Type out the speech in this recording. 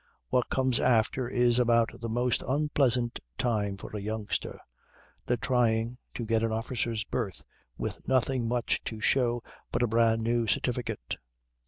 What comes after is about the most unpleasant time for a youngster, the trying to get an officer's berth with nothing much to show but a brand new certificate.